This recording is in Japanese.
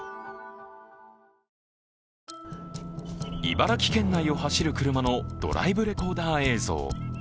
茨城県内を走る車のドライブレコーダー映像。